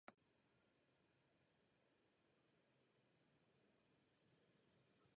Výjimečně jako ruda manganu.